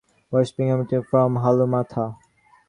Worshiping originated from Halumatha.